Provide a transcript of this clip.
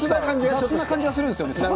雑な感じがするんですよね、最近ね。